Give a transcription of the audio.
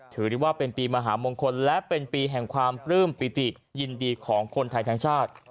ถือได้ว่าเป็นปีมหามงคลและเป็นปีแห่งความปลื้มปิติยินดีของคนไทยทั้งชาติ